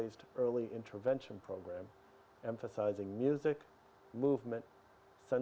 saya terlupa komunikasi fungsional